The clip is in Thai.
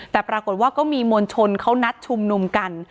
แต่ปรากฏว่าก็มีมวลชนเขานัดชุมนุมกัน